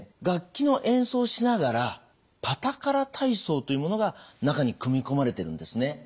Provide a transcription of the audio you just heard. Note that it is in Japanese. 楽器の演奏しながら「パタカラ体操」というものが中に組み込まれてるんですね。